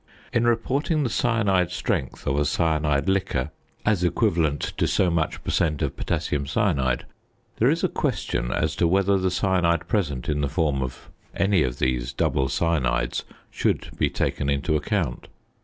In reporting the cyanide strength of a cyanide liquor as equivalent to so much per cent. of potassium cyanide, there is a question as to whether the cyanide present in the form of any of these double cyanides should be taken into account.